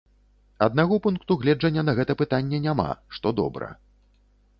Аднаго пункту гледжання на гэта пытанне няма, што добра.